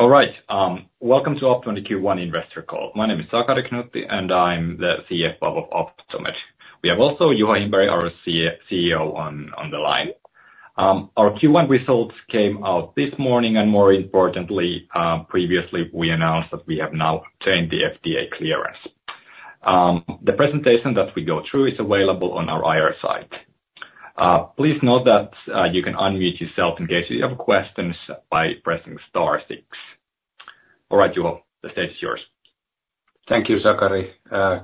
All right, welcome to Optomed Q1 Investor Call. My name is Sakari Knuutti, and I'm the CFO of Optomed. We have also Juho Himberg, our CEO, on the line. Our Q1 results came out this morning, and more importantly, previously we announced that we have now obtained the FDA clearance. The presentation that we go through is available on our IR site. Please note that you can unmute yourself in case you have questions by pressing star six. All right, Juho, the stage is yours. Thank you, Sakari.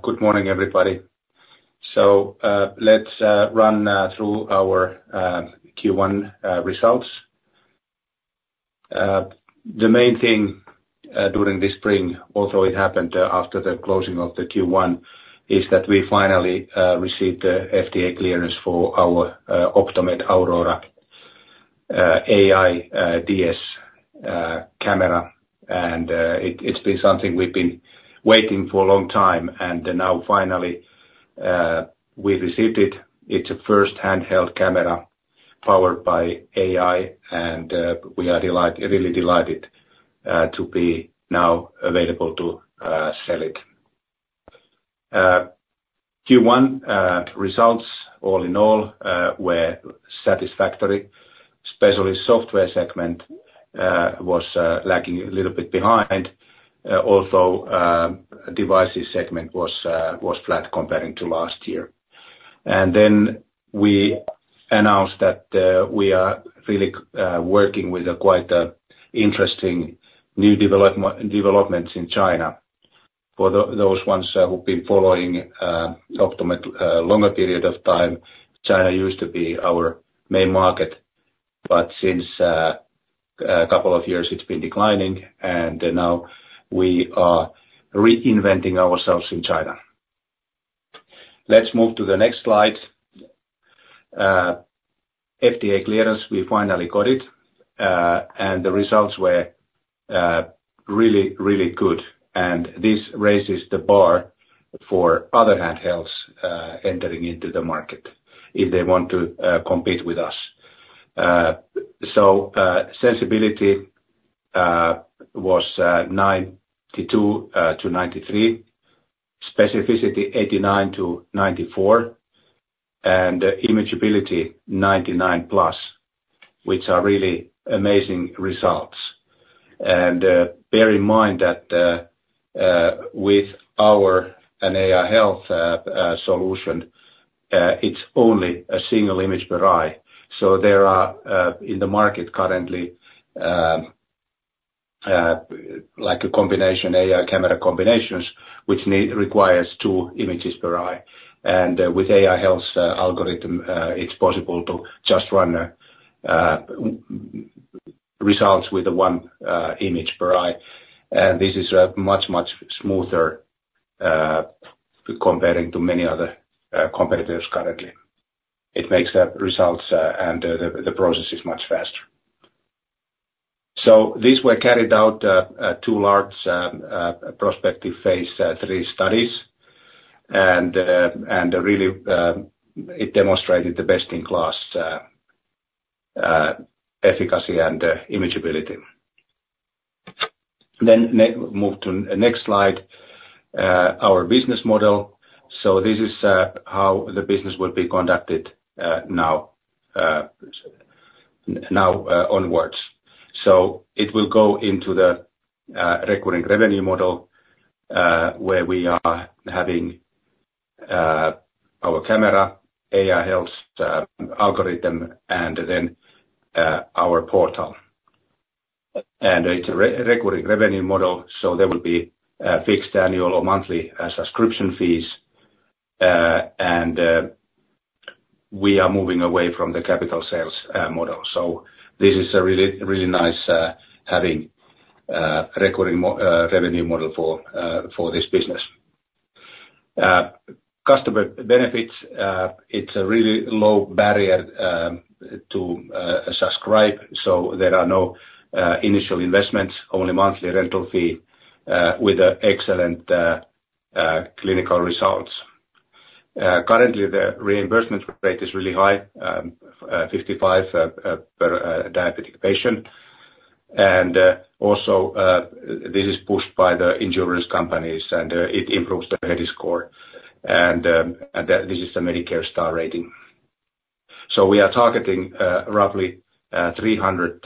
Good morning, everybody. Let's run through our Q1 results. The main thing during this spring, although it happened after the closing of the Q1, is that we finally received the FDA clearance for our Optomed Aurora AEYE-DS camera, and it's been something we've been waiting for a long time, and now finally we received it. It's a first handheld camera powered by AI, and we are really delighted to be now available to sell it. Q1 results, all in all, were satisfactory. Especially software segment was lagging a little bit behind, although devices segment was flat comparing to last year. Then we announced that we are really working with quite interesting new developments in China. For those ones who've been following Optomed a longer period of time, China used to be our main market, but since a couple of years it's been declining, and now we are reinventing ourselves in China. Let's move to the next slide. FDA clearance, we finally got it, and the results were really, really good, and this raises the bar for other handhelds entering into the market if they want to compete with us. So sensitivity was 92%-93%, specificity 89%-94%, and imageability 99%+, which are really amazing results. And bear in mind that with our AI health solution, it's only a single image per eye. So there are in the market currently a combination, AI camera combinations, which requires two images per eye. And with AI health algorithm, it's possible to just run results with one image per eye. This is much, much smoother comparing to many other competitors currently. It makes results and the process is much faster. So these were carried out 2 large prospective phase 3 studies, and really it demonstrated the best-in-class efficacy and imageability. Then move to the next slide, our business model. So this is how the business will be conducted now onwards. So it will go into the recurring revenue model where we are having our camera AI health algorithm and then our portal. And it's a recurring revenue model, so there will be fixed annual or monthly subscription fees, and we are moving away from the capital sales model. So this is really nice having a recurring revenue model for this business. Customer benefits, it's a really low barrier to subscribe, so there are no initial investments, only monthly rental fee with excellent clinical results. Currently, the reimbursement rate is really high, $55 per diabetic patient. Also, this is pushed by the insurance companies, and it improves the HEDIS score. This is the Medicare star rating. So we are targeting roughly 300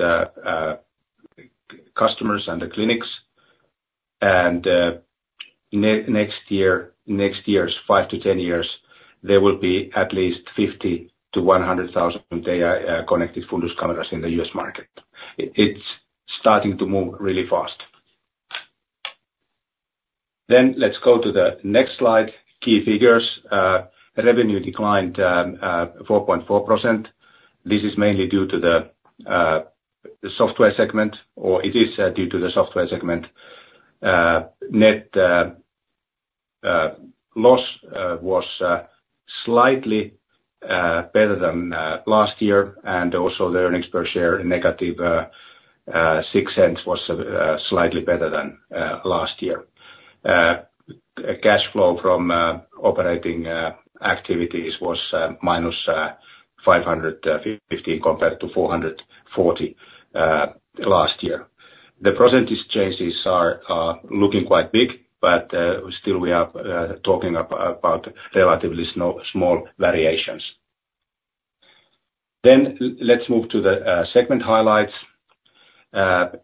customers and the clinics. And next year's 5-10 years, there will be at least 50-100,000 AI connected fundus cameras in the US market. It's starting to move really fast. Then let's go to the next slide, key figures. Revenue declined 4.4%. This is mainly due to the software segment, or it is due to the software segment. Net loss was slightly better than last year, and also the earnings per share -0.06 EUR was slightly better than last year. Cash flow from operating activities was -515 compared to 440 last year. The percentage changes are looking quite big, but still we are talking about relatively small variations. Then let's move to the segment highlights.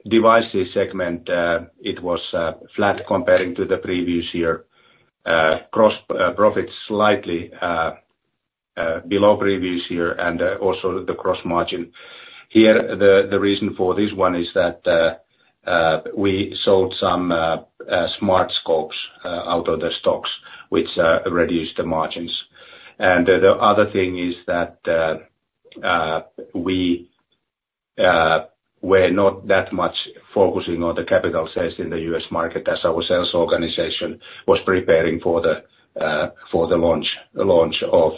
Devices segment, it was flat comparing to the previous year. Gross profit slightly below previous year, and also the gross margin. Here, the reason for this one is that we sold some Smartscopes out of the stocks, which reduced the margins. And the other thing is that we were not that much focusing on the capital sales in the U.S. market as our sales organization was preparing for the launch of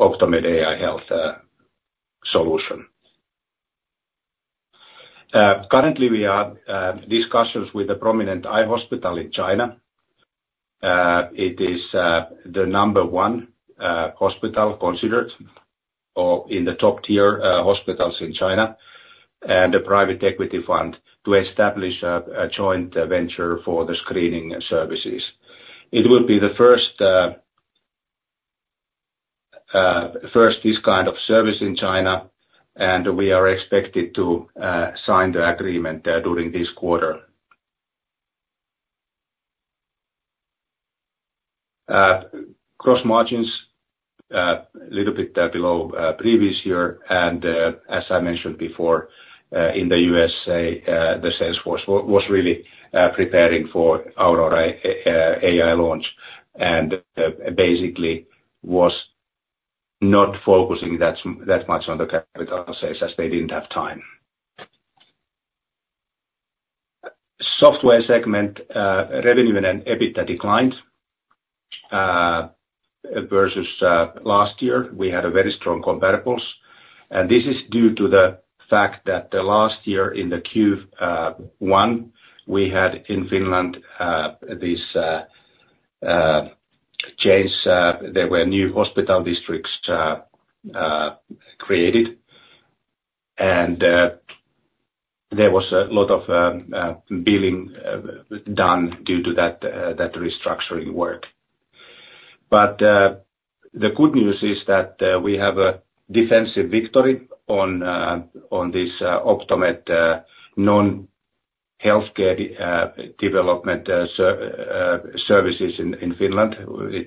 Optomed AI Health solution. Currently, we are in discussions with a prominent eye hospital in China. It is the number one hospital considered in the top tier hospitals in China, and a private equity fund to establish a joint venture for the screening services. It will be the first of this kind of service in China, and we are expected to sign the agreement during this quarter. Gross margins a little bit below previous year. As I mentioned before, in the USA, the sales force was really preparing for Aurora AI launch and basically was not focusing that much on the capital sales as they didn't have time. Software segment revenue and EBITDA declined versus last year. We had very strong comparables. This is due to the fact that last year in the Q1, we had in Finland this change. There were new hospital districts created, and there was a lot of billing done due to that restructuring work. The good news is that we have a decisive victory on this Optomed non-healthcare development services in Finland.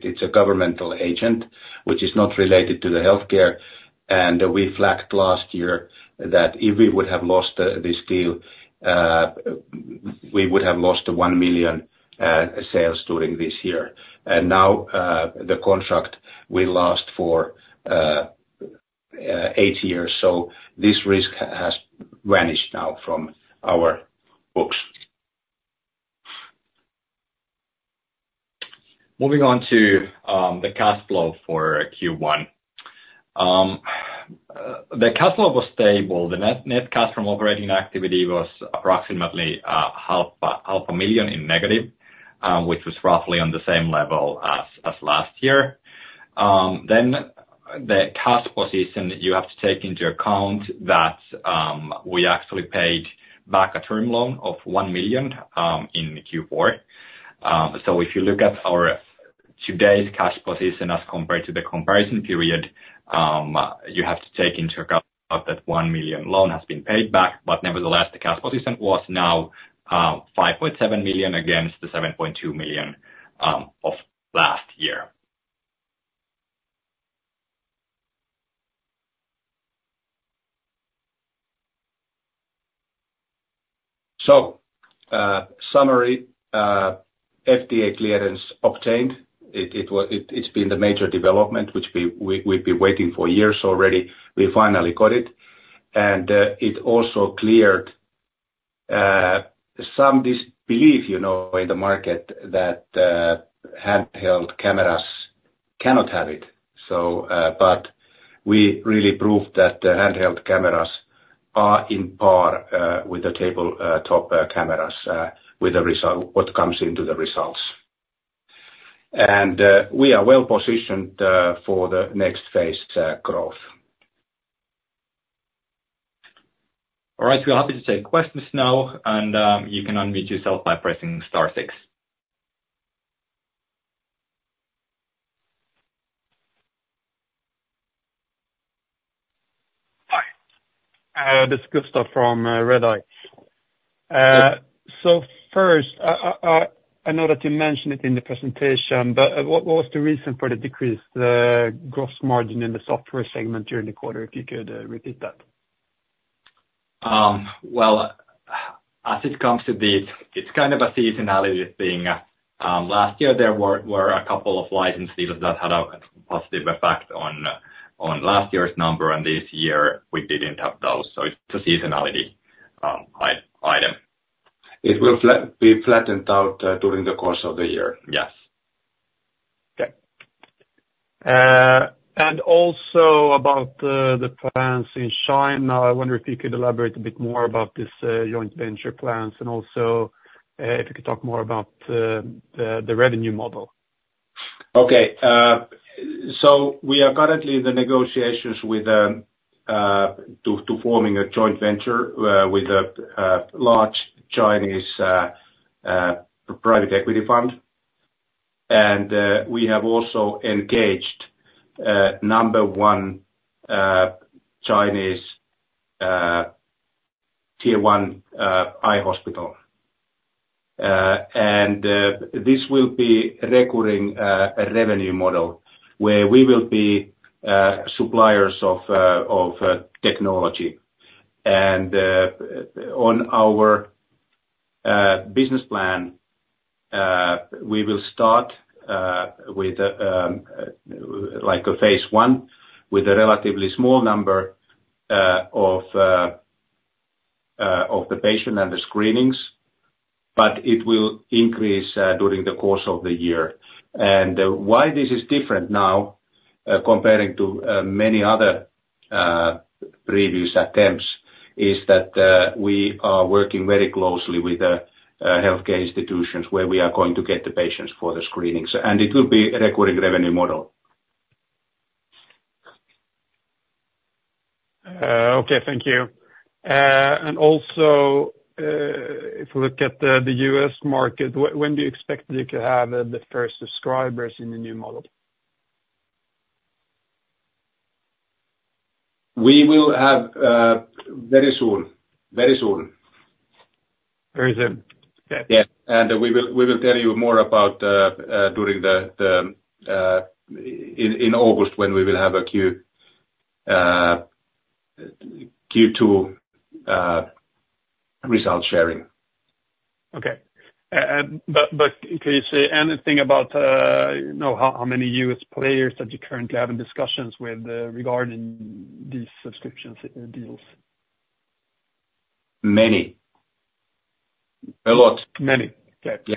It's a governmental agency, which is not related to the healthcare. We flagged last year that if we would have lost this deal, we would have lost 1 million sales during this year. Now the contract will last for eight years. This risk has vanished now from our books. Moving on to the cash flow for Q1. The cash flow was stable. The net cash from operating activity was approximately -500,000, which was roughly on the same level as last year. Then the cash position, you have to take into account that we actually paid back a term loan of 1 million in Q4. So if you look at today's cash position as compared to the comparison period, you have to take into account that 1 million loan has been paid back, but nevertheless, the cash position was now 5.7 million against the 7.2 million of last year. Summary, FDA clearance obtained. It's been the major development, which we've been waiting for years already. We finally got it. It also cleared some disbelief in the market that handheld cameras cannot have it. We really proved that handheld cameras are on par with the tabletop cameras with what comes into the results. We are well positioned for the next phase growth. All right, we're happy to take questions now, and you can unmute yourself by pressing star six. Hi. This is Gustaf from Redeye. So first, I know that you mentioned it in the presentation, but what was the reason for the decreased gross margin in the software segment during the quarter, if you could repeat that? Well, as it comes to this, it's kind of a seasonality thing. Last year, there were a couple of license deals that had a positive effect on last year's number, and this year we didn't have those. So it's a seasonality item. It will be flattened out during the course of the year. Yes. Okay. And also about the plans in China, I wonder if you could elaborate a bit more about these joint venture plans and also if you could talk more about the revenue model. Okay. So we are currently in the negotiations to forming a joint venture with a large Chinese private equity fund. And we have also engaged number one Chinese tier one eye hospital. And this will be recurring revenue model where we will be suppliers of technology. And on our business plan, we will start with phase one with a relatively small number of the patient and the screenings, but it will increase during the course of the year. And why this is different now comparing to many other previous attempts is that we are working very closely with healthcare institutions where we are going to get the patients for the screenings. And it will be a recurring revenue model. Okay. Thank you. Also if we look at the US market, when do you expect you to have the first subscribers in the new model? We will have very soon. Very soon. Very soon. Okay. Yes. We will tell you more about during the in August when we will have a Q2 result sharing. Okay. But can you say anything about how many U.S. players that you currently have in discussions regarding these subscriptions deals? Many. A lot. Many. Okay. Yeah.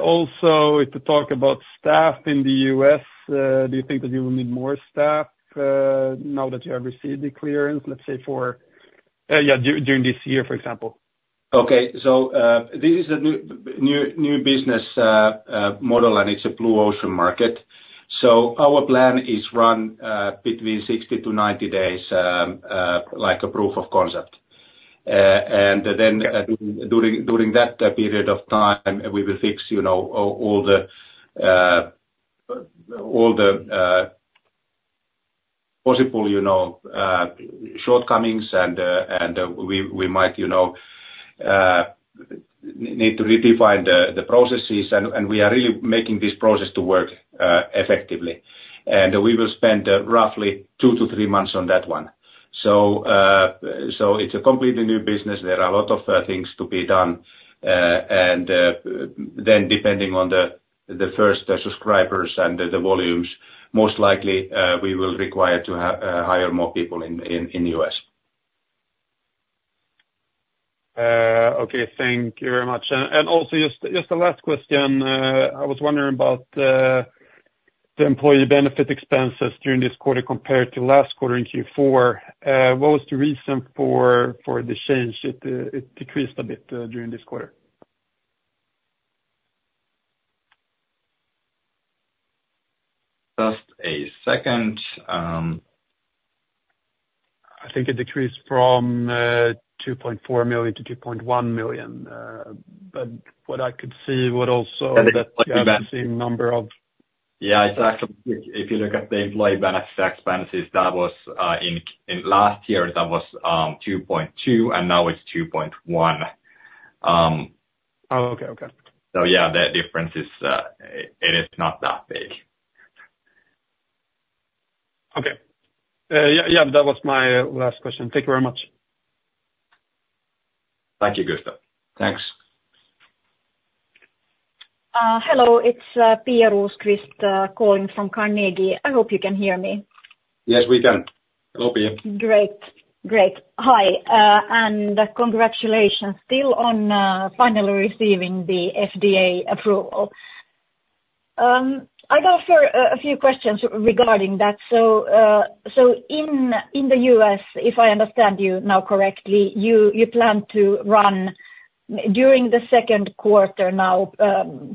Also if we talk about staff in the U.S., do you think that you will need more staff now that you have received the clearance, let's say, for yeah, during this year, for example? Okay. So this is a new business model, and it's a blue ocean market. So our plan is run between 60-90 days like a proof of concept. And then during that period of time, we will fix all the possible shortcomings, and we might need to redefine the processes. And we are really making this process to work effectively. And we will spend roughly 2-3 months on that one. So it's a completely new business. There are a lot of things to be done. And then depending on the first subscribers and the volumes, most likely we will require to hire more people in the U.S. Okay. Thank you very much. Also just the last question, I was wondering about the employee benefit expenses during this quarter compared to last quarter in Q4. What was the reason for the change? It decreased a bit during this quarter. Just a second. I think it decreased from 2.4 million to 2.1 million. But what I could see was also that the same number of. Yeah. If you look at the employee benefits expenses, that was in last year, that was 2.2, and now it's 2.1. Oh, okay. Okay. So yeah, the difference is it is not that big. Okay. Yeah. Yeah. That was my last question. Thank you very much. Thank you, Gustaf. Thanks. Hello. It's Pia Rosqvist calling from Carnegie. I hope you can hear me. Yes, we can. Hello, Pia. Great. Great. Hi. Congratulations still on finally receiving the FDA approval. I got a few questions regarding that. So in the U.S., if I understand you now correctly, you plan to run during the second quarter now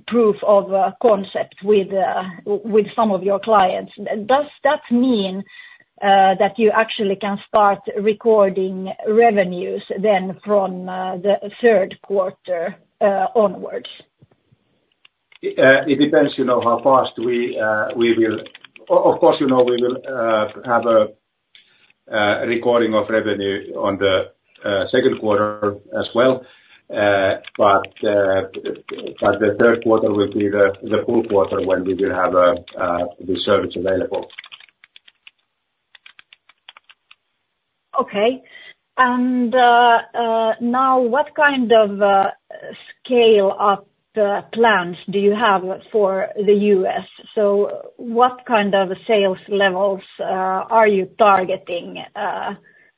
proof of concept with some of your clients. Does that mean that you actually can start recording revenues then from the third quarter onwards? It depends how fast we will, of course. We will have a recording of revenue on the second quarter as well. But the third quarter will be the full quarter when we will have the service available. Okay. Now what kind of scale-up plans do you have for the U.S.? What kind of sales levels are you targeting?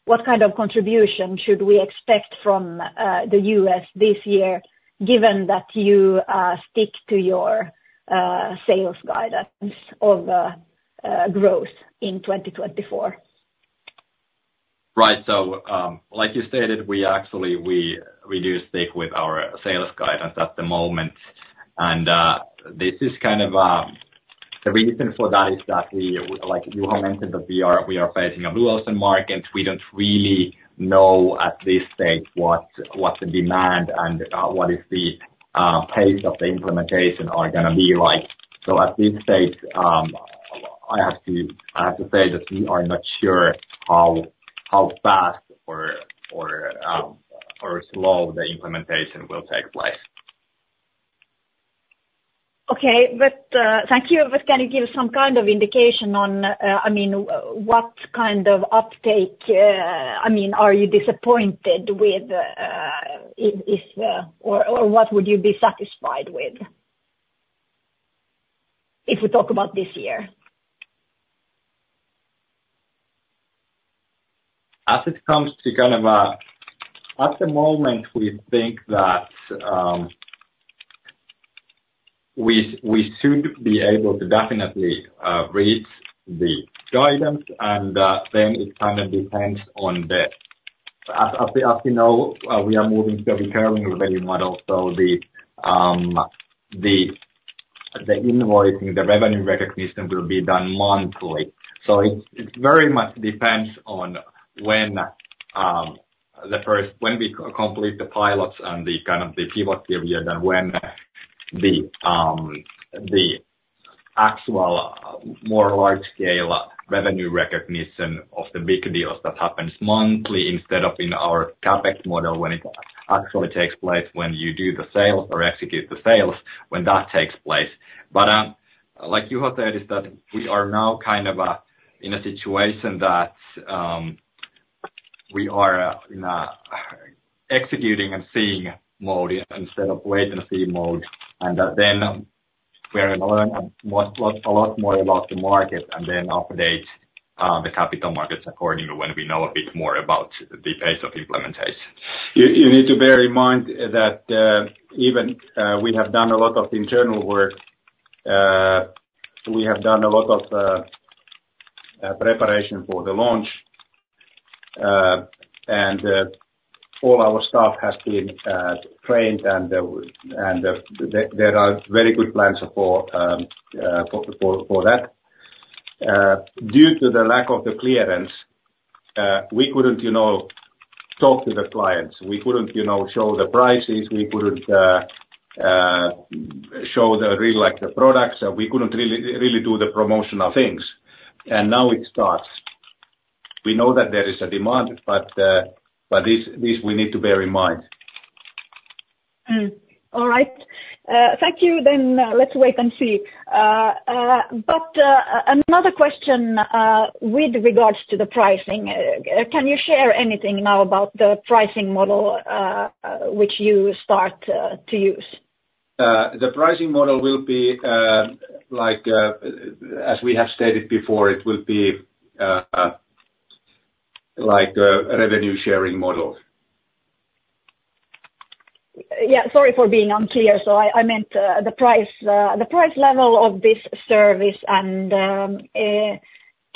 What kind of contribution should we expect from the U.S. this year given that you stick to your sales guidance of growth in 2024? Right. So like you stated, we actually stick with our sales guidance at the moment. This is kind of the reason for that, is that we, like Juho mentioned, that we are facing a blue ocean market. We don't really know at this stage what the demand and what is the pace of the implementation are going to be like. So at this stage, I have to say that we are not sure how fast or slow the implementation will take place. Okay. But thank you. But can you give some kind of indication on, I mean, what kind of uptake? I mean, are you disappointed with or what would you be satisfied with if we talk about this year? As it comes to kind of at the moment, we think that we should be able to definitely reach the guidance. Then it kind of depends on, as you know, we are moving to a recurring revenue model. So the invoicing, the revenue recognition will be done monthly. So it very much depends on when the first we complete the pilots and kind of the pivot period and when the actual more large-scale revenue recognition of the big deals that happens monthly instead of in our CapEx model when it actually takes place when you do the sales or execute the sales, when that takes place. But like Juho said, is that we are now kind of in a situation that we are in an executing and seeing mode instead of latency mode. And then we are going to learn a lot more about the market and then update the capital markets accordingly when we know a bit more about the pace of implementation. You need to bear in mind that even we have done a lot of internal work. We have done a lot of preparation for the launch. All our staff has been trained, and there are very good plans for that. Due to the lack of the clearance, we couldn't talk to the clients. We couldn't show the prices. We couldn't show the products. We couldn't really do the promotional things. Now it starts. We know that there is a demand, but this we need to bear in mind. All right. Thank you. Then let's wait and see. But another question with regards to the pricing. Can you share anything now about the pricing model which you start to use? The pricing model will be like as we have stated before, it will be like a revenue-sharing model. Yeah. Sorry for being unclear. I meant the price level of this service.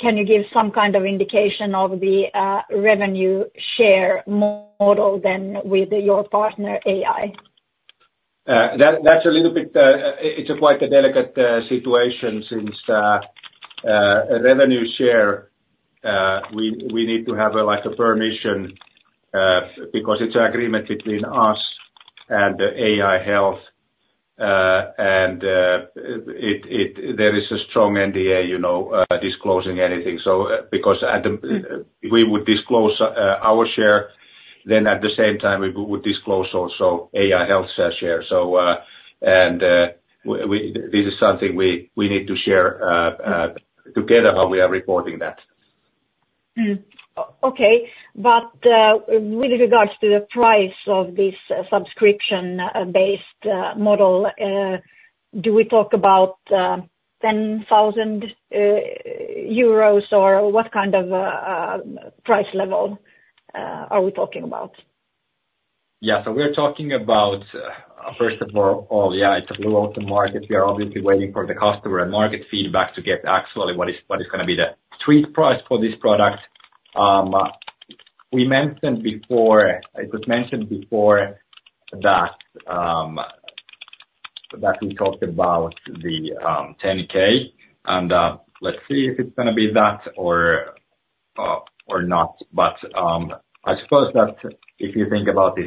Can you give some kind of indication of the revenue share model then with your partner AI? That's a little bit. It's quite a delicate situation since revenue share, we need to have a permission because it's an agreement between us and AI Health. And there is a strong NDA disclosing anything because we would disclose our share. Then at the same time, we would disclose also AI Health's share. And this is something we need to share together how we are reporting that. Okay. But with regards to the price of this subscription-based model, do we talk about 10,000 euros or what kind of price level are we talking about? Yeah. So we're talking about, first of all, yeah, it's a blue ocean market. We are obviously waiting for the customer and market feedback to get actually what is going to be the street price for this product. We mentioned before it was mentioned before that we talked about the $10K. And let's see if it's going to be that or not. But I suppose that if you think about it,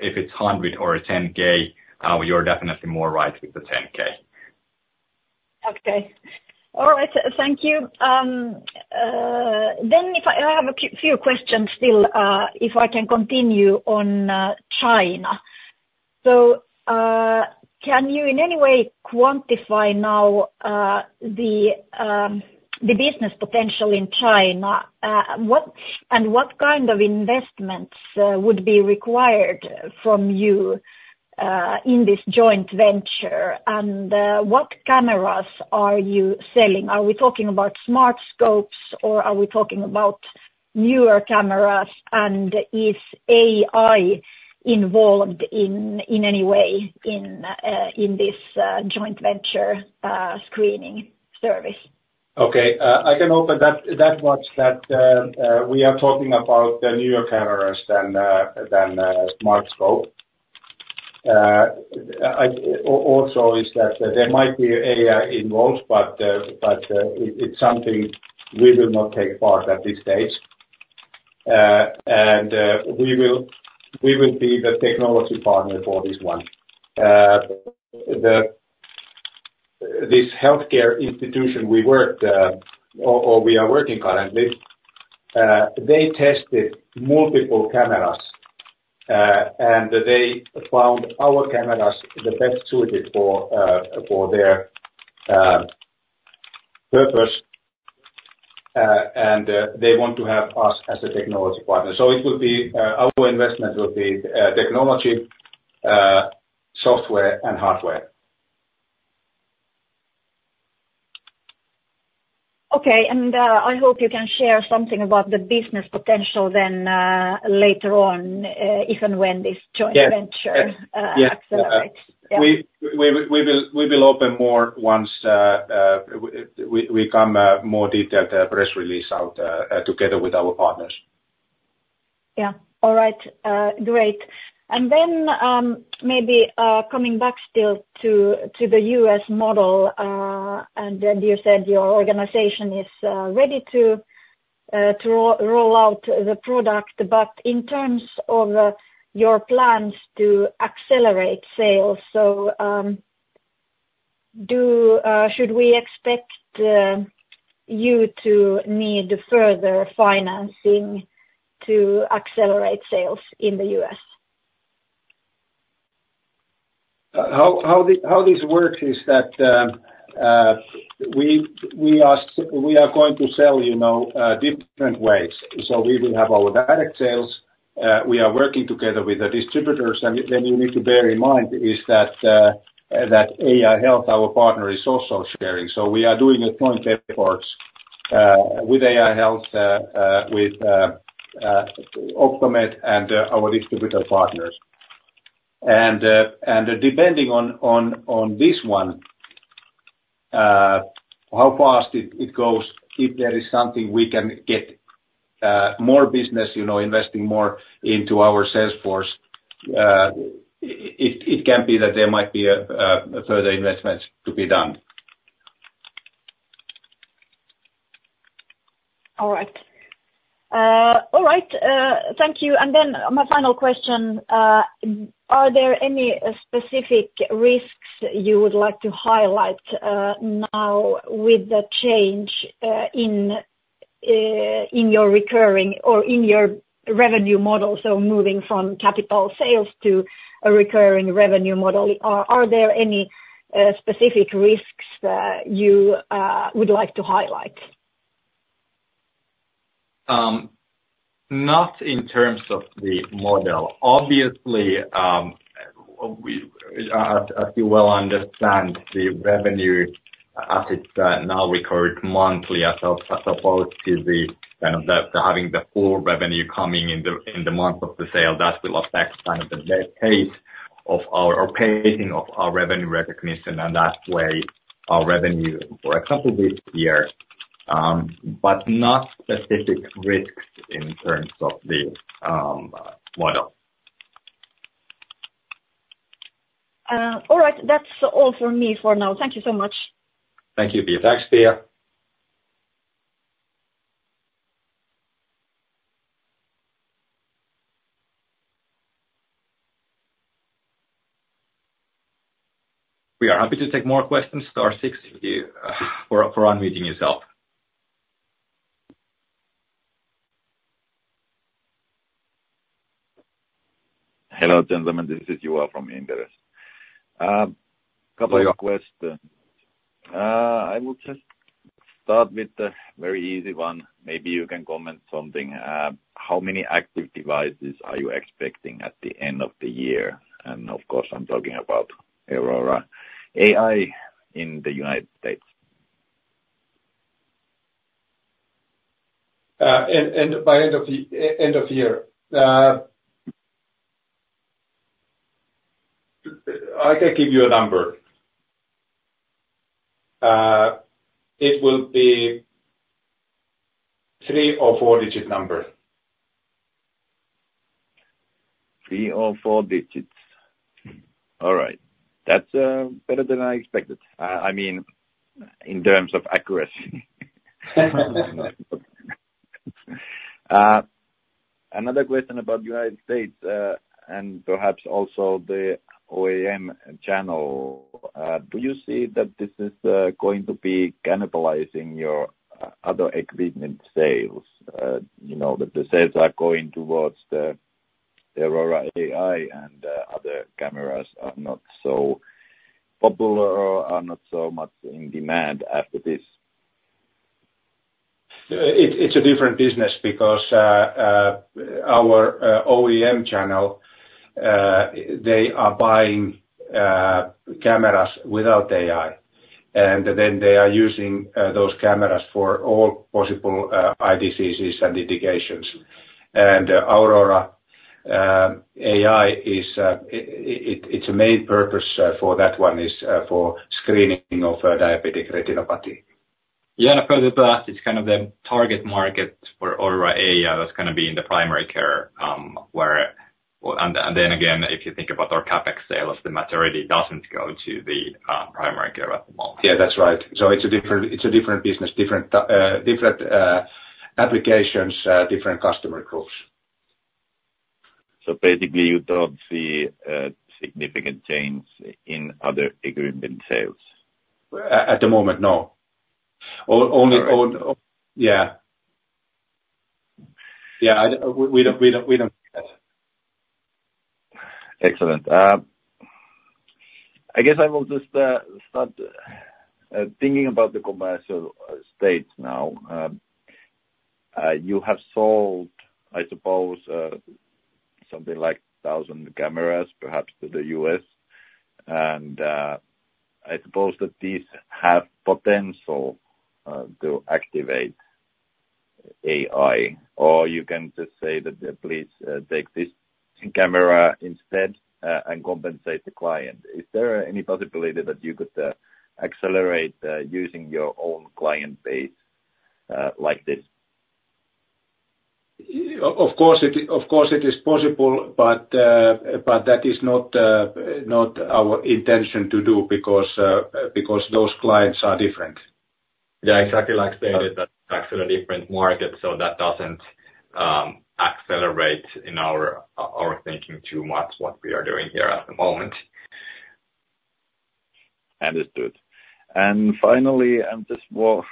if it's $100 or $10K, you're definitely more right with the $10K. Okay. All right. Thank you. Then I have a few questions still if I can continue on China. So can you in any way quantify now the business potential in China? And what kind of investments would be required from you in this joint venture? And what cameras are you selling? Are we talking about Smartscopes, or are we talking about newer cameras? And is AI involved in any way in this joint venture screening service? Okay. I can open that watch that we are talking about the newer cameras than Smartscope. Also is that there might be AI involved, but it's something we will not take part at this stage. And we will be the technology partner for this one. This healthcare institution we work or we are working currently, they tested multiple cameras. And they found our cameras the best suited for their purpose. And they want to have us as a technology partner. So it will be our investment will be technology, software, and hardware. Okay. I hope you can share something about the business potential then later on if and when this joint venture accelerates. Yeah. We will open more once we come more detailed press release out together with our partners. Yeah. All right. Great. And then maybe coming back still to the U.S. model. And then you said your organization is ready to roll out the product. But in terms of your plans to accelerate sales, so should we expect you to need further financing to accelerate sales in the U.S.? How this works is that we are going to sell different ways. We will have our direct sales. We are working together with the distributors. Then you need to bear in mind is that AI Health, our partner, is also sharing. We are doing a joint effort with AI Health, with Optomed, and our distributor partners. Depending on this one, how fast it goes, if there is something we can get more business investing more into our sales force, it can be that there might be further investments to be done. All right. All right. Thank you. My final question, are there any specific risks you would like to highlight now with the change in your recurring revenue model? Moving from capital sales to a recurring revenue model, are there any specific risks that you would like to highlight? Not in terms of the model. Obviously, as you well understand, the revenue as it now records monthly as opposed to kind of having the full revenue coming in the month of the sale, that will affect kind of the pacing of our revenue recognition. That way, our revenue, for example, this year. But not specific risks in terms of the model. All right. That's all for me for now. Thank you so much. Thank you, Pia. Thanks, Pia. We are happy to take more questions. Star six for unmuting yourself. Hello, gentlemen. This is Juho from Inderes. A couple of questions. I will just start with the very easy one. Maybe you can comment something. How many active devices are you expecting at the end of the year? And of course, I'm talking about Aurora AI in the United States. By end of year, I can give you a number. It will be three- or four-digit number. Three or four digits. All right. That's better than I expected, I mean, in terms of accuracy. Another question about the United States and perhaps also the OEM channel. Do you see that this is going to be cannibalizing your other equipment sales? That the sales are going towards the Aurora AI and other cameras are not so popular or are not so much in demand after this? It's a different business because our OEM channel, they are buying cameras without AI. Then they are using those cameras for all possible eye diseases and mitigations. Aurora AI, its main purpose for that one is for screening of diabetic retinopathy. Yeah. And apart from that, it's kind of the target market for Aurora AI that's going to be in the primary care where. And then again, if you think about our CapEx sales, the majority doesn't go to the primary care at the moment. Yeah. That's right. So it's a different business, different applications, different customer groups. Basically, you don't see significant change in other equipment sales? At the moment, no. Yeah. Yeah. We don't see that. Excellent. I guess I will just start thinking about the commercial state now. You have sold, I suppose, something like 1,000 cameras, perhaps to the US. And I suppose that these have potential to activate AI. Or you can just say that, "Please take this camera instead and compensate the client." Is there any possibility that you could accelerate using your own client base like this? Of course, it is possible, but that is not our intention to do because those clients are different. Yeah. Exactly like stated, that's actually a different market. So that doesn't accelerate in our thinking too much what we are doing here at the moment. Understood. And finally, and this will,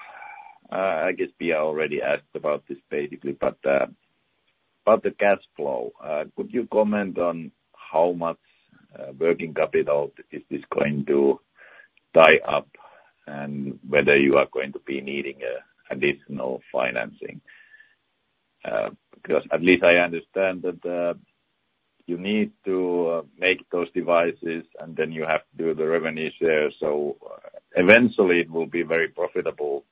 I guess, Pia already asked about this basically, but the cash flow, could you comment on how much working capital is this going to tie up and whether you are going to be needing additional financing? Because at least I understand that you need to make those devices, and then you have to do the revenue share. So eventually, it will be very profitable.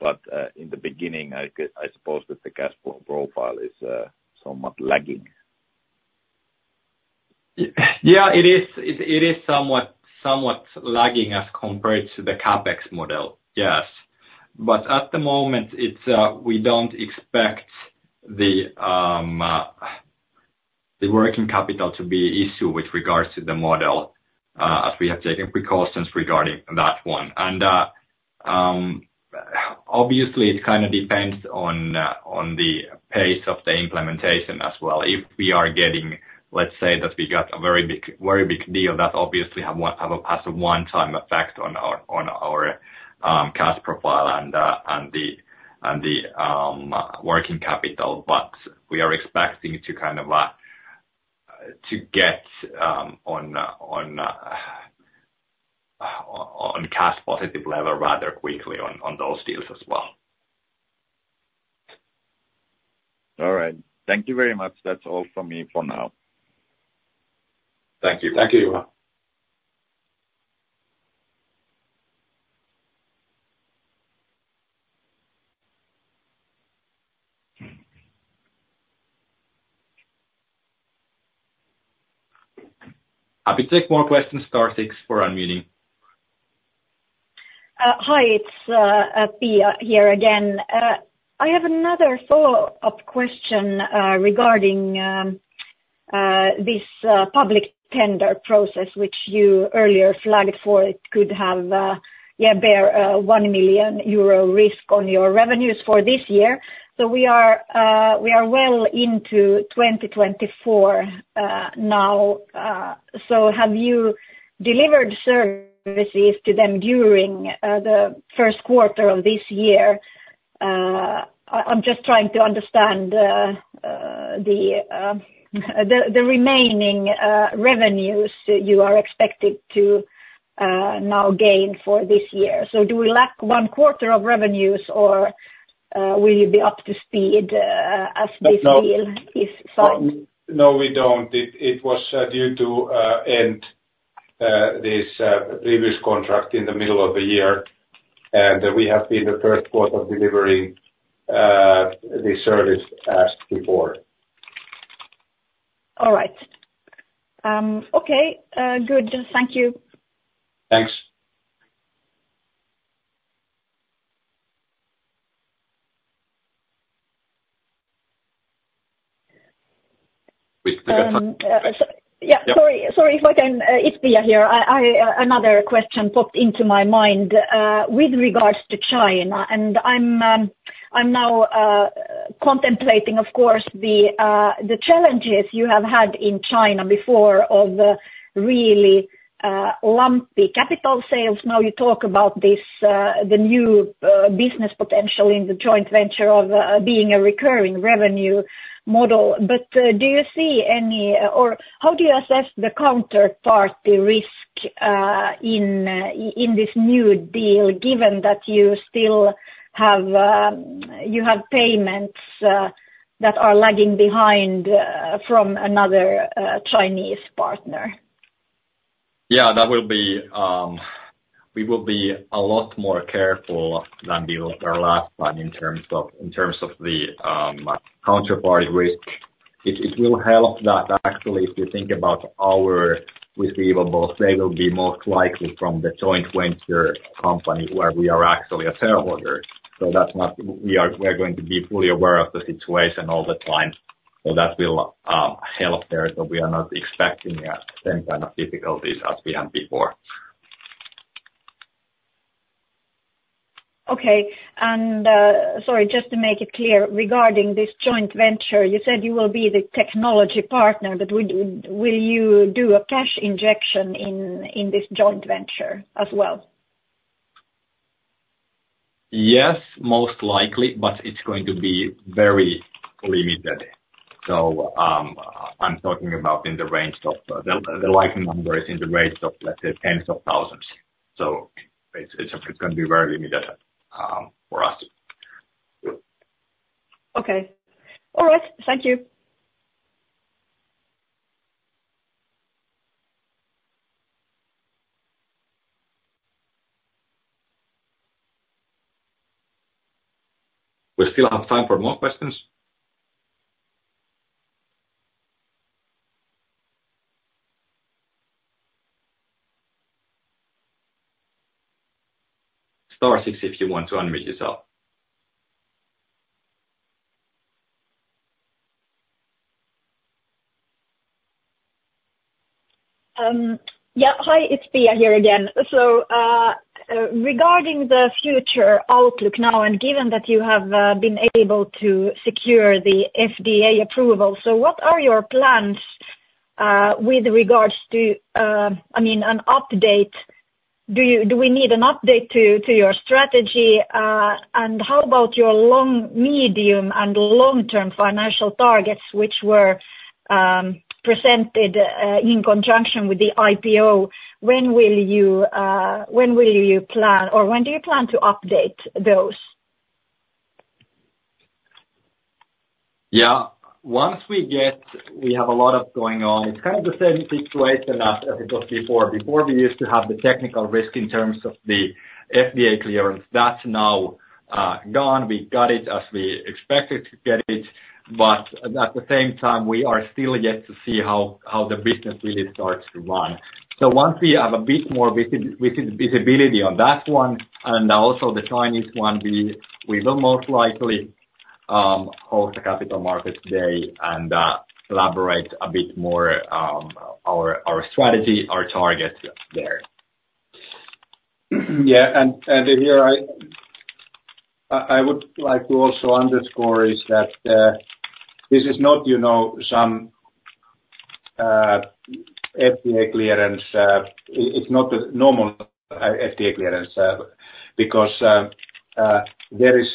But in the beginning, I suppose that the cash flow profile is somewhat lagging. Yeah. It is somewhat lagging as compared to the CapEx model. Yes. But at the moment, we don't expect the working capital to be an issue with regards to the model as we have taken precautions regarding that one. And obviously, it kind of depends on the pace of the implementation as well. If we are getting, let's say that we got a very big deal, that obviously has a one-time effect on our cash profile and the working capital. But we are expecting to kind of get on a cash-positive level rather quickly on those deals as well. All right. Thank you very much. That's all from me for now. Thank you. Thank you, Happy to take more questions. Star six for unmuting. Hi. It's Pia here again. I have another follow-up question regarding this public tender process, which you earlier flagged for. It could have, yeah, bear a 1 million euro risk on your revenues for this year. So we are well into 2024 now. So have you delivered services to them during the first quarter of this year? I'm just trying to understand the remaining revenues you are expected to now gain for this year. So do we lack one quarter of revenues, or will you be up to speed as this deal is signed? No, we don't. It was due to end the previous contract in the middle of the year. We have been in the first quarter delivering this service, as asked before. All right. Okay. Good. Thank you. Thanks. We've got some. Yeah. Sorry if I can. It's Pia here. Another question popped into my mind with regards to China. I'm now contemplating, of course, the challenges you have had in China before of really lumpy capital sales. Now you talk about the new business potential in the joint venture of being a recurring revenue model. But do you see any, or how do you assess the counterparty risk in this new deal given that you still have payments that are lagging behind from another Chinese partner? Yeah. We will be a lot more careful than we were last time in terms of the counterparty risk. It will help that actually if you think about our receivables, they will be most likely from the joint venture company where we are actually a shareholder. So we are going to be fully aware of the situation all the time. So that will help there. So we are not expecting the same kind of difficulties as we had before. Okay. Sorry, just to make it clear, regarding this joint venture, you said you will be the technology partner. But will you do a cash injection in this joint venture as well? Yes, most likely. But it's going to be very limited. So I'm talking about in the range of the likely number is in the range of, let's say, tens of thousands. So it's going to be very limited for us. Okay. All right. Thank you. We still have time for more questions? Star six, if you want to unmute yourself. Yeah. Hi. It's Pia here again. So regarding the future outlook now and given that you have been able to secure the FDA approval, so what are your plans with regards to, I mean, an update? Do we need an update to your strategy? And how about your long, medium, and long-term financial targets which were presented in conjunction with the IPO? When will you plan, or when do you plan to update those? Yeah. Once we have a lot of going on, it's kind of the same situation as it was before. Before, we used to have the technical risk in terms of the FDA clearance. That's now gone. We got it as we expected to get it. But at the same time, we are still yet to see how the business really starts to run. So once we have a bit more visibility on that one and also the Chinese one, we will most likely host a capital markets day and elaborate a bit more our strategy, our targets there. Yeah. And here, I would like to also underscore is that this is not some FDA clearance. It's not a normal FDA clearance because there is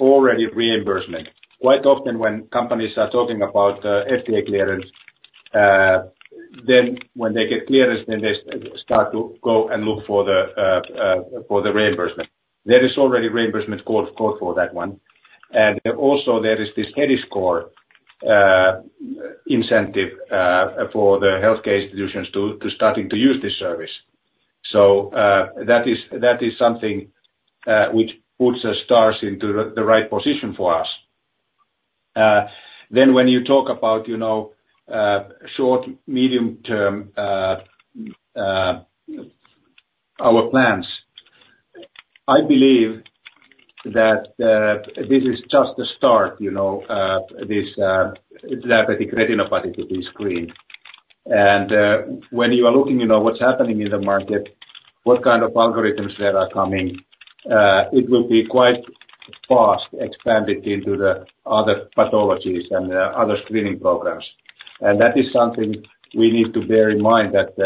already reimbursement. Quite often, when companies are talking about FDA clearance, then when they get clearance, then they start to go and look for the reimbursement. There is already reimbursement code for that one. And also, there is this HEDIS incentive for the healthcare institutions to starting to use this service. So that is something which puts the stars into the right position for us. Then when you talk about short, medium-term, our plans, I believe that this is just the start, this diabetic retinopathy to be screened. And when you are looking at what's happening in the market, what kind of algorithms there are coming, it will be quite fast expanded into the other pathologies and other screening programs. And that is something we need to bear in mind that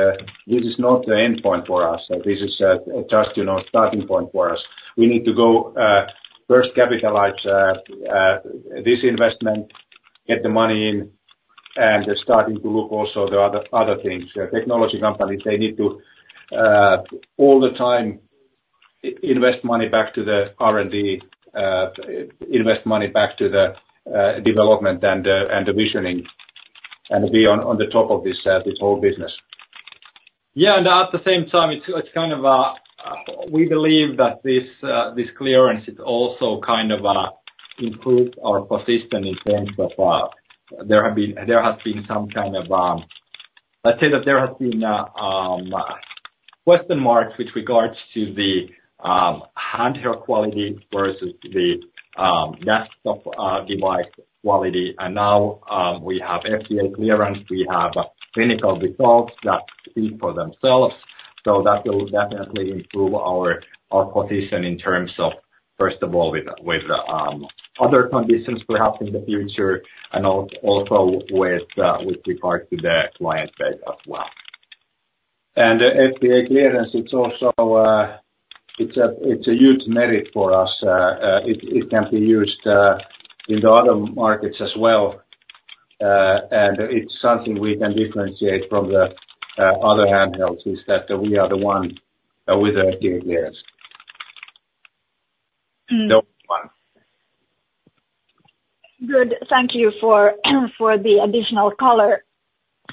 this is not the end point for us. This is just a starting point for us. We need to go first capitalize this investment, get the money in, and starting to look also at the other things. Technology companies, they need to all the time invest money back to the R&D, invest money back to the development and the visioning, and be on the top of this whole business. Yeah. And at the same time, it's kind of a we believe that this clearance, it also kind of improves our position in terms of there has been some kind of let's say that there has been question marks with regards to the handheld quality versus the desktop device quality. And now we have FDA clearance. We have clinical results that speak for themselves. So that will definitely improve our position in terms of, first of all, with other conditions perhaps in the future and also with regards to the client base as well. And the FDA clearance, it's also a huge merit for us. It can be used in the other markets as well. It's something we can differentiate from the other handhelds is that we are the one with the FDA clearance, the only one. Good. Thank you for the additional color.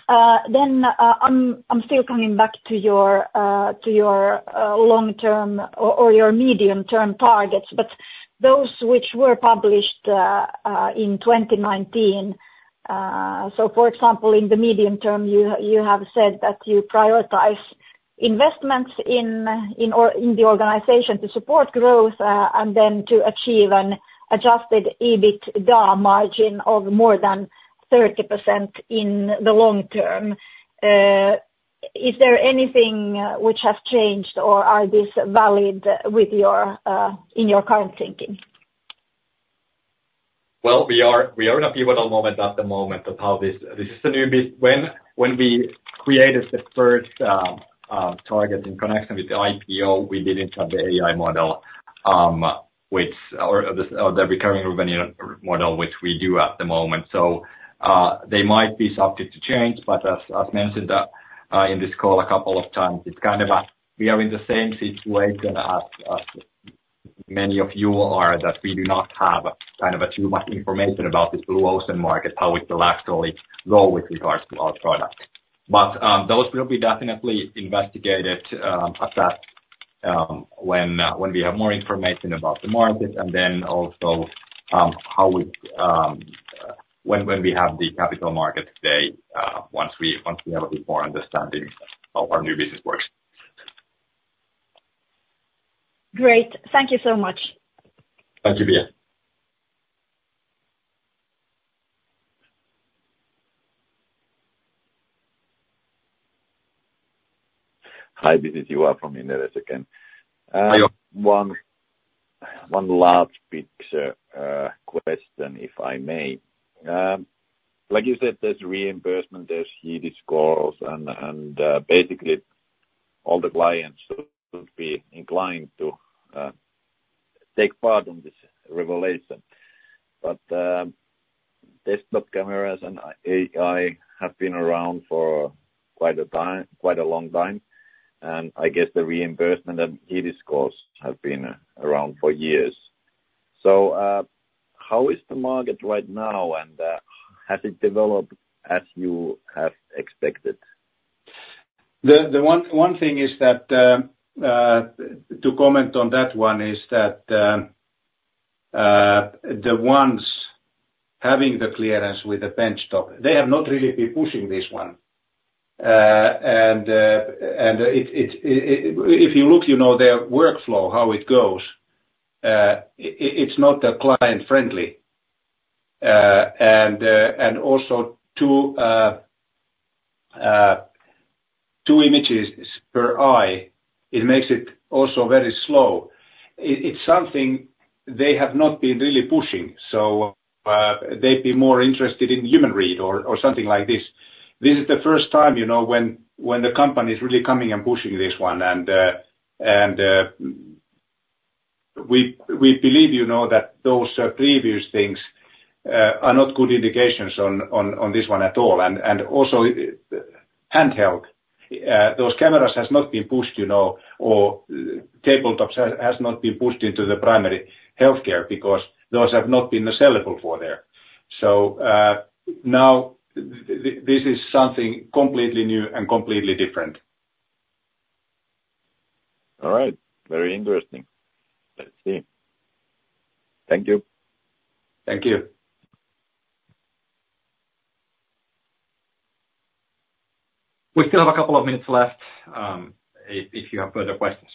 I'm still coming back to your long-term or your medium-term targets, but those which were published in 2019. For example, in the medium term, you have said that you prioritize investments in the organization to support growth and then to achieve an adjusted EBITDA margin of more than 30% in the long term. Is there anything which has changed, or are these valid in your current thinking? Well, we are in a pivotal moment at the moment of how this is a new bit. When we created the first target in connection with the IPO, we didn't have the AI model or the recurring revenue model which we do at the moment. So they might be subject to change. But as mentioned in this call a couple of times, it's kind of a we are in the same situation as many of you are that we do not have kind of too much information about this blue ocean market, how it will actually go with regards to our product. But those will be definitely investigated at that when we have more information about the market and then also how we when we have the capital markets day once we have a bit more understanding of how our new business works. Great. Thank you so much. Thank you, Pia. Hi. This is Juho from Inderes again. One last quick question, if I may. Like you said, there's reimbursement, there's HEDIS scores, and basically, all the clients should be inclined to take part in this revolution. But desktop cameras and AI have been around for quite a long time. And I guess the reimbursement and HEDIS scores have been around for years. So how is the market right now, and has it developed as you have expected? The one thing is that, to comment on that, one is that the ones having the clearance with the benchtop, they have not really been pushing this one. And if you look at their workflow, how it goes, it's not client-friendly. And also, two images per eye, it makes it also very slow. It's something they have not been really pushing. So they'd be more interested in human read or something like this. This is the first time when the company is really coming and pushing this one. And we believe that those previous things are not good indications on this one at all. And also, handheld, those cameras have not been pushed or tabletops have not been pushed into the primary healthcare because those have not been sellable for there. So now, this is something completely new and completely different. All right. Very interesting. Let's see. Thank you. Thank you. We still have a couple of minutes left if you have further questions.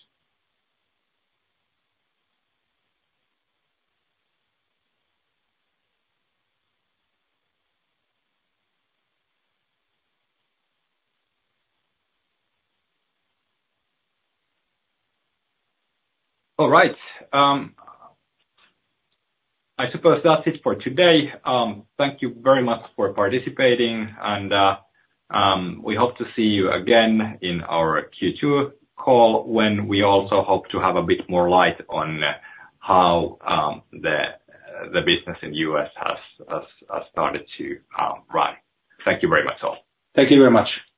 All right. I suppose that's it for today. Thank you very much for participating. We hope to see you again in our Q2 call when we also hope to have a bit more light on how the business in the U.S. has started to run. Thank you very much all. Thank you very much.